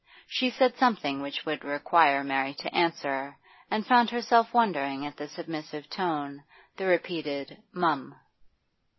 She said something which would require Mary to answer, and found herself wondering at the submissive tone, the repeated 'Mum.